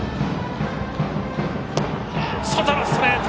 外のストレート！